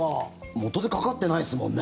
元手かかってないですもんね。